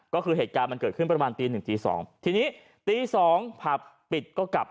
ก็คือเหตุการณ์มันเกิดขึ้นประมาณตีหนึ่งตีสองทีนี้ตีสองผับปิดก็กลับ